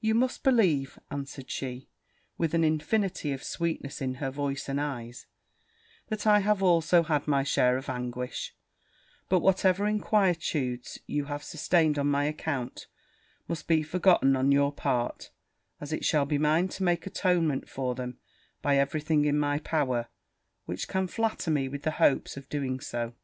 'You must believe,' answered she, with an infinity of sweetness in her voice and eyes, 'that I have also had my share of anguish: but whatever inquietudes you have sustained on my account must be forgotten on your part, as it shall be mine to make atonement for them by every thing in my power, which can flatter me with the hopes of doing so.'